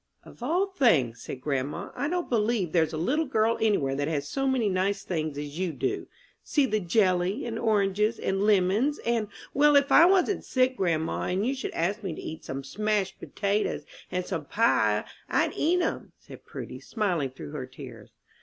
"Of all things," said grandma, "I don't believe there's a little girl any where that has so many nice things as you do. See the jelly, and oranges, and lemons, and " "Well, if I wasn't sick, grandma, and you should ask me to eat some smashed potatoes, and some pie, I'd eat 'em," said Prudy, smiling through her tears.